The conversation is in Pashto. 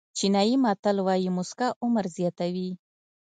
چینایي متل وایي موسکا عمر زیاتوي.